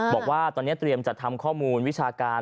บอกว่าตอนนี้เตรียมจัดทำข้อมูลวิชาการ